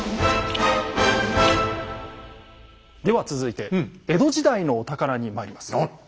では続いて江戸時代のお宝にまいります。